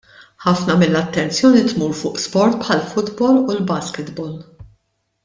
Ħafna mill-attenzjoni tmur fuq sport bħall-futbol u l-basketball.